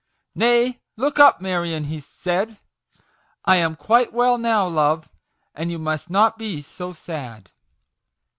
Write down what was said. " Nay, look up, Marion," he said; " I am quite well now, love, and you must not be so sad."